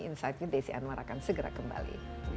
insight with desi anwar akan segera kembali